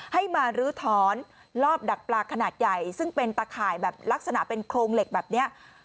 ให้มาลื้อถอนรอบดักปลาขนาดใหญ่ซึ่งเป็นตะข่ายแบบลักษณะเป็นโครงเหล็กแบบนี้